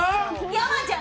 山ちゃん